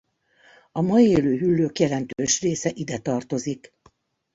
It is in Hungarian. A ma élő hüllők jelentős része ide tartozik.